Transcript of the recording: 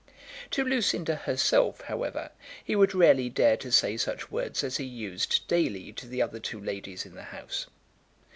To Lucinda herself, however, he would rarely dare to say such words as he used daily to the other two ladies in the house.